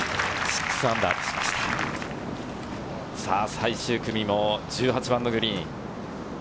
最終組も１８番のグリーンです。